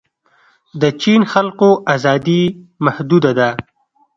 د چین خلکو ازادي محدوده ده.